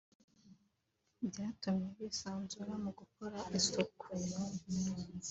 byatumye bisanzura mu gukora isuku